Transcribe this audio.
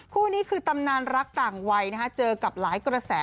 คู่นี้คือตำนานรักต่างวัยเจอกับหลายกระแส